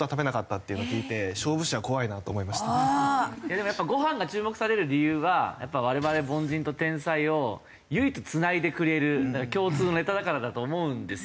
でもやっぱご飯が注目される理由はやっぱ我々凡人と天才を唯一繋いでくれる共通のネタだからだと思うんですよ。